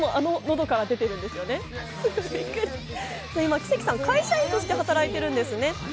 奇跡さんは会社員として働いてるんですね。